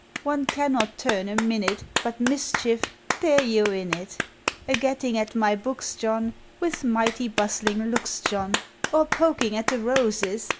One cannot turn a minute, But mischief — there you 're in it: A gettiug at my books, John, With mighty bus! ling looks, John, Or poking at the roses.